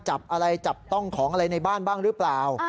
จับอะไรจับต้องของอะไรในบ้านบ้างหรือเปล่า